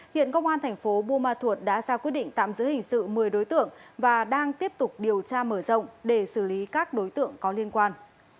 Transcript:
hiện công an thành phố buôn ma thuột đã ra quyết định tạm giữ hình sự một mươi đối tượng và đang tiếp tục điều tra mở rộng để xử lý các đối tượng có liên quan